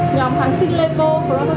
nhóm tháng sinh levo protoxin